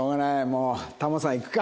もうタモさんいくか。